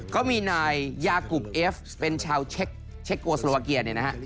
ก็มีนายยากุบเอฟเป็นชาวเช็คโกสโลวาเกียเนี่ยนะฮะ